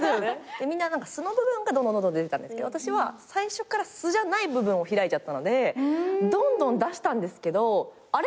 みんな素の部分がどんどん出てたんですけど私は最初から素じゃない部分を開いちゃったのでどんどん出したんですけどあれ？